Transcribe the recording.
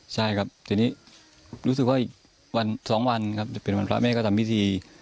ใช่ครับทีนี้รู้สึกว่าอีกวัน๒วันครับจะเป็นวันพระแม่ก็ทำพิธี